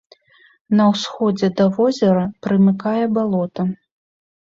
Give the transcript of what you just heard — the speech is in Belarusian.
На ўсходзе да возера прымыкае балота.